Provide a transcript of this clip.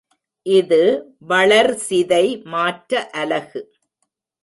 இது வளர்சிதை மாற்ற அலகு.